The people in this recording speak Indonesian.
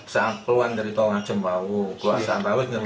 saat keluar dari tonggak jembau gue asal asal nyergak tv